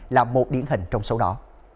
là một điển hình trong số đó